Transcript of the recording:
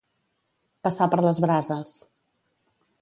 Passar per les brases.